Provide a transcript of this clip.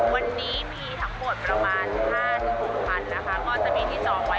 วันนี้มีทั้งหมดประมาณ๕๖คันนะคะก็จะมีที่จองไว้